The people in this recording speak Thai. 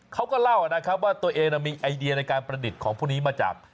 เขาก็เล่านะครับว่าตัวเองมีไอเดียในการประดิษฐ์ของพวกนี้มาจาก